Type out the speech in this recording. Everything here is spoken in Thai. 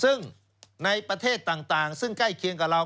ซึ่งในประเทศต่างซึ่งใกล้เคียงกับเรา